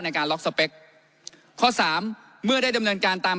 ในการล็อกสเปคข้อสามเมื่อได้ดำเนินการตาม